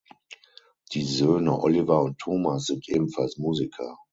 Die Söhne Oliver und Thomas sind ebenfalls Musiker.